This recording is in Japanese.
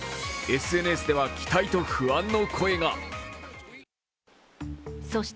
ＳＮＳでは期待と不安の声が。